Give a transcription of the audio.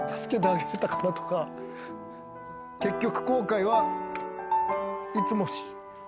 結局。